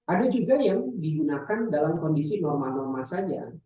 ada juga yang digunakan dalam kondisi normal normal saja